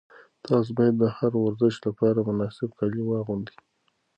تاسي باید د هر ورزش لپاره مناسب کالي واغوندئ.